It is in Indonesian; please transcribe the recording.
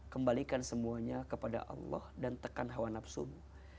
kembalikan semuanya kepada allah dan tekan hawa nafsumu